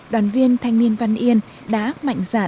đoàn viên thanh niên văn yên đã mạnh dạn